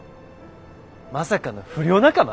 まさかの不良仲間？